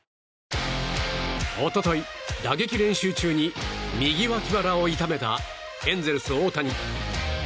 一昨日、打撃練習中に右脇腹を痛めたエンゼルス大谷。